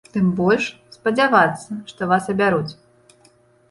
Тым больш, спадзявацца, што вас абяруць.